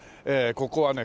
ここはね